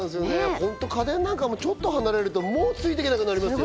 ホント家電なんかもちょっと離れるともうついていけなくなりますよ